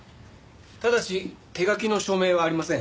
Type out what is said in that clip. ただし手書きの署名はありません。